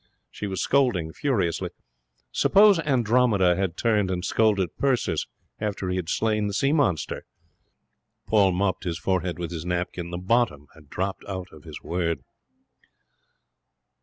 She was scolding furiously. Suppose Andromeda had turned and scolded Perseus after he had slain the sea monster! Paul mopped his forehead with his napkin. The bottom had dropped out of his world.